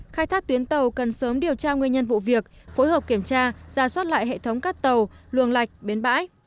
khai thác tuyến tàu cần sớm điều tra nguyên nhân vụ việc phối hợp kiểm tra ra soát lại hệ thống cắt tàu luồng lạch bến bãi